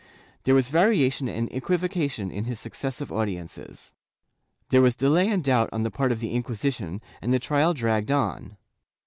There was variation and equivocation in his successive audiences; there was delay and doubt on the part of the Inquisition, and the trial dragged on.